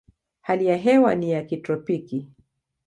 Hali ya hewa ni ya kitropiki.